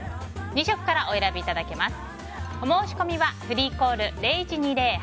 ２色からお選びいただけます。